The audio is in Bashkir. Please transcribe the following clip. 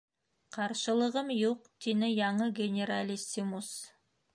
- Ҡаршылығым юҡ, - тине яңы «генералиссимус».